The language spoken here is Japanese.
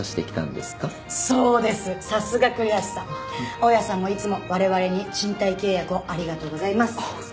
大家さんもいつも我々に賃貸契約をありがとうございます。